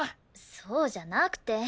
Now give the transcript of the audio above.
そうじゃなくて。